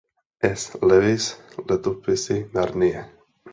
S. Lewise Letopisy Narnie.